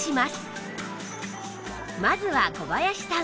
まずは小林さん